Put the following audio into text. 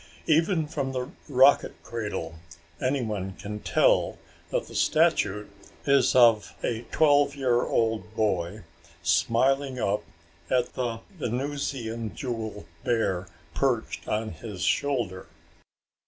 Even from the rocket cradle, anyone can tell that the statue is of a twelve year old boy smiling up at the Venusian jewel bear perched on his shoulder.